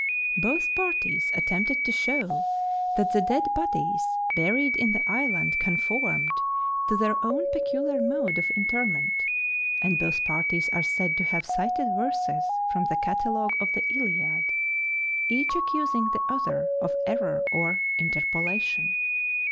Both parties attempted to show that the dead bodies buried in the island conformed to their own peculiar mode of interment, and both parties are said to have cited verses from the catalogue of the Iliad each accusing the other of error or interpolation.